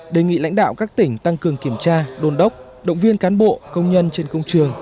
đề nghị lãnh đạo các tỉnh tăng cường kiểm tra đôn đốc động viên cán bộ công nhân trên công trường